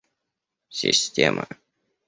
Система